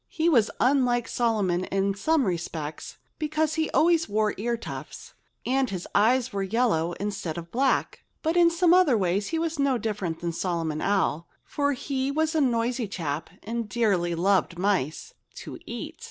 He was unlike Solomon in some respects, because he always wore ear tufts, and his eyes were yellow instead of black. But in some other ways he was no different from Solomon Owl, for he was a noisy chap and dearly loved mice—to eat.